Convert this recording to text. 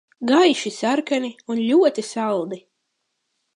Gaiši sarkani un ļoti saldi.